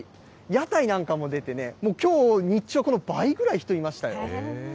屋台なんかも出てね、もうきょう日中はこの倍ぐらい、人いましたよ。